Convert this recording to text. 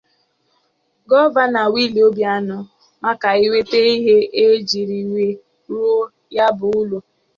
Gọvanọ Willie Obianọ maka iwetè ihe e jiri wee rụọ ya bụ ụlọ.